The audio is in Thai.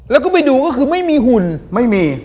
แล้วก็ไปดูก็คือไม่มีหุ่นไม่มี